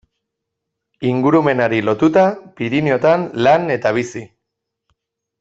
Ingurumenari lotuta Pirinioetan lan eta bizi.